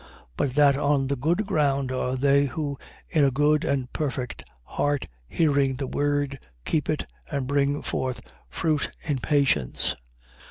8:15. But that on the good ground are they who in a good and perfect heart, hearing the word, keep it and bring forth fruit in patience.